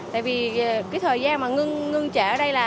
tại vì cái thời gian mà ngưng chạy ở đây